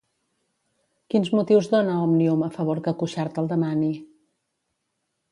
Quins motius dona Òmnium a favor que Cuixart el demani?